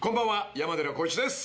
山寺宏一です。